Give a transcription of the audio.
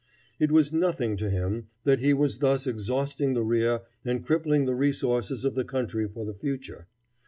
It was nothing to him that he was thus exhausting the rear and crippling the resources of the country for the future.